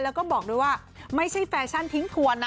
แล้วก็บอกด้วยว่าไม่ใช่แฟชั่นทิ้งทวนนะ